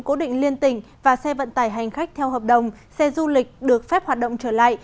cố định liên tỉnh và xe vận tải hành khách theo hợp đồng xe du lịch được phép hoạt động trở lại